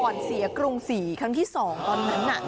เสียกรุงศรีครั้งที่๒ตอนนั้นน่ะ